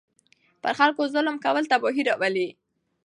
پر خلکو ظلم کول تباهي راولي.